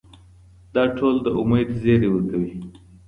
دا ټول د امید زیری ورکوي.